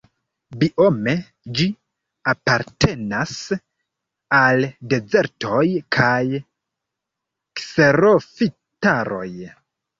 Biome ĝi apartenas al dezertoj kaj kserofitaroj.